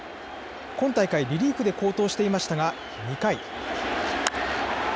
今大会、リリーフで好投していましたが２回。